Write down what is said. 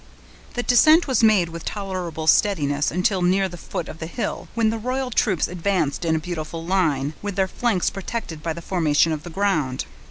The descent was made with tolerable steadiness, until near the foot of the hill, when the royal troops advanced in a beautiful line, with their flanks protected by the formation of the ground.